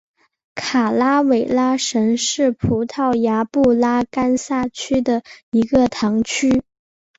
卡拉韦拉什是葡萄牙布拉干萨区的一个堂区。